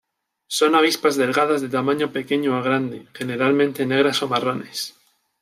Son avispas delgadas de tamaño pequeño a grande, generalmente negras o marrones.